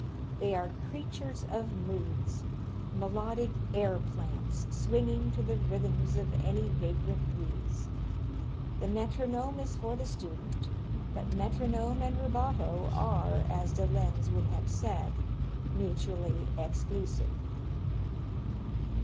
They are creatures of moods, melodic air plants, swinging to the rhythms of any vagrant breeze. The metronome is for the student, but metronome and rubato are, as de Lenz would have said, mutually exclusive.